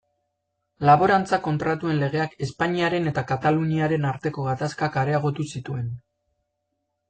Laborantza Kontratuen Legeak Espainiaren eta Kataluniaren arteko gatazkak areagotu zituen.